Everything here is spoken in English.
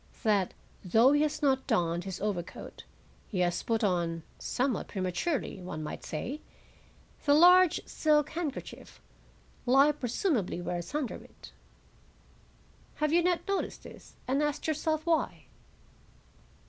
That, though he has not donned his overcoat, he has put on, somewhat prematurely, one might say, the large silk handkerchief he presumably wears under it? Have you not noticed this, and asked yourself why?"